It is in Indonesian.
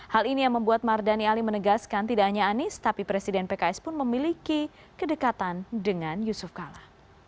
hal ini yang membuat mardani ali menegaskan tidak hanya anies tapi presiden pks pun memiliki kedekatan dengan yusuf kala